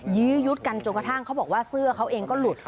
ยื้อยุดกันจนกระทั่งเขาบอกว่าเสื้อเขาเองก็หลุด